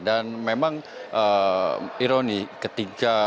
dan memang ironi ketika